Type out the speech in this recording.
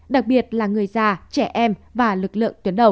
đặc biệt là người già trẻ em và lực lượng tuyến đầu